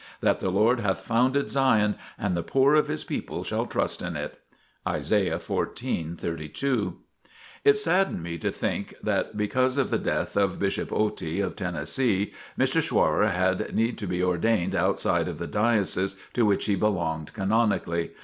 That the Lord hath founded Zion and the poor of His people shall trust in it." Isaiah xiv, 32. It saddened me to think that, because of the death of Bishop Otey of Tennessee, Mr. Schwrar had need to be ordained outside of the Diocese to which he belonged canonically.